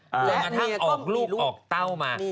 ก็มาทั้งออกลูกออกเต้ามา